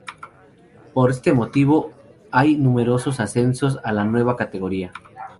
Por ste motivo hay numerosos ascensos a la nueva categoría.